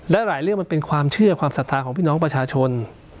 และหลายเรื่องมันเป็นความเชื่อความศรัทธาของพี่น้องประชาชน